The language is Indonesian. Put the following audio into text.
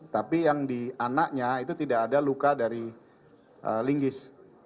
tapi yang di anaknya itu tidak ada luka dari linggis